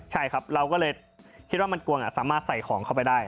ใช่ครับเราก็เลยคิดว่ามันกวงสามารถใส่ของเข้าไปได้